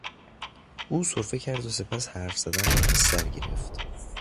او سرفه کرد و سپس حرف زدن را ازسر گرفت.